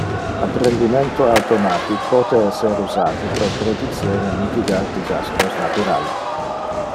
Apprendimento automatic pote ser usate pro predicer e mitigar disastros natural.